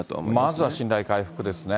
まずは信頼回復ですね。